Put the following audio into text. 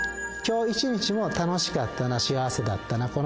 今日一日も楽しかったな幸せだったな。